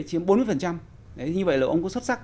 chiếm bốn mươi như vậy là ông có xuất sắc